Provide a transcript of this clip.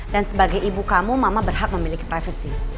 dan sebagai ibu kamu mama berhak memiliki privasi